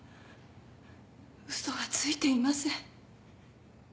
嘘はついていません。